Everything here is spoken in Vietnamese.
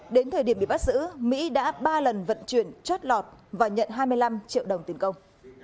đến thời điểm bị bắt giữ mỹ đã ba lần vận chuyển chót lọt và nhận hai mươi năm triệu đồng tiền công